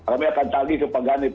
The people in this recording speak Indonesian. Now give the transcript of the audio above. kami akan tagih ke panganib